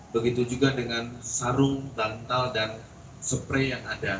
begitu juga dengan sarung bantal dan spray yang ada